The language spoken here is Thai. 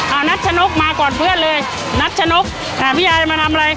นัทชนกมาก่อนเพื่อนเลยนัชนกค่ะพี่ยายมาทำอะไร